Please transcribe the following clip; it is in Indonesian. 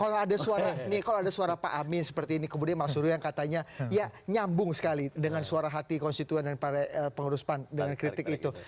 kalau ada suara nih kalau ada suara pak amin seperti ini kemudian mas surya yang katanya ya nyambung sekali dengan suara hati konstituen dan para pengurus pan dengan kritik itu